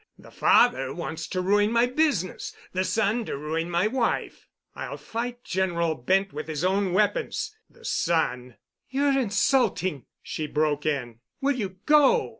The father wants to ruin my business, the son to ruin my wife. I'll fight General Bent with his own weapons. The son——" "You're insulting," she broke in. "Will you go?"